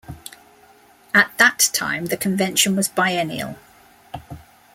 At that time the convention was biennial.